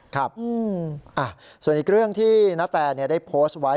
ครับส่วนอีกเรื่องที่นาแตได้โพสต์ไว้